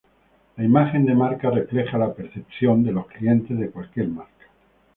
La imagen de marca refleja la percepción de los clientes de cualquier marca.